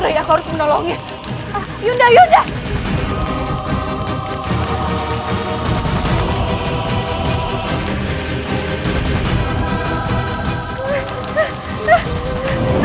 pansahnya selalu upward juga semuaan takbal